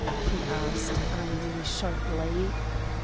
he asked, eyeing me sharply.